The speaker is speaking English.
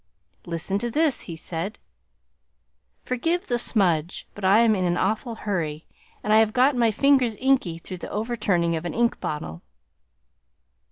"Listen to this," he said: "Forgive the smudge, but I am in an awful hurry, and I have got my fingers inky through the overturning of an ink bottle."